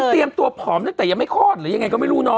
ก็มันเตรียมตัวผอมแล้วแต่ยังไม่คลอดหรือยังไงก็ไม่รู้น้อง